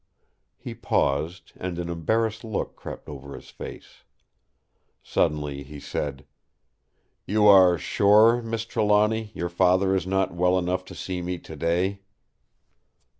He paused, and an embarrassed look crept over his face. Suddenly he said: "You are sure, Miss Trelawny, your Father is not well enough to see me today?"